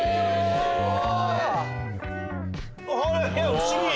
不思議！